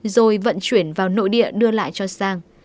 rồi vận chuyển vào nội địa đưa lại cho sang